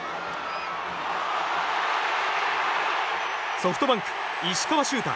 ソフトバンク、石川柊太